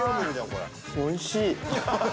おいしい。